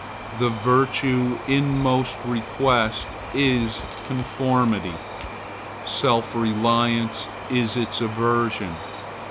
The virtue in most request is conformity. Self reliance is its aversion.